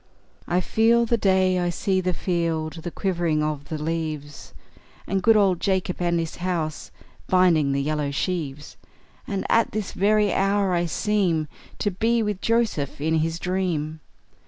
I feel the day; I see the field; The quivering of the leaves; And good old Jacob, and his house, Binding the yellow sheaves! And at this very hour I seem To be with Joseph in his dream!